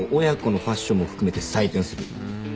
親子のファッションも含めて採点する。